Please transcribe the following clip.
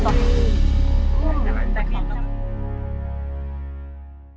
เห็นมากกว่าที่นี่เลย